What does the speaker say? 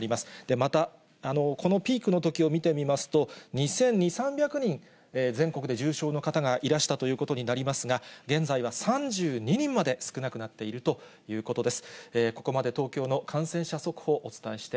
また、このピークのときを見てみますと、２０００、２３００人、全国で重症の方がいらしたということになりますが、現在は３２人まで少なくなっているということです。